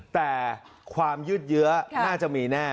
แต่ความยืดเยื้อน่าจะมีแน่